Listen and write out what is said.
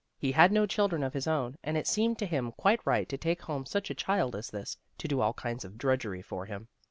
He had no children of his own, and it seemed to him quite right to take home such a child as this, to do all kinds of drudgery for him.